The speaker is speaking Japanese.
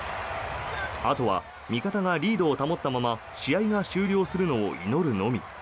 あとは味方がリードを保ったまま試合が終了するのを祈るのみ。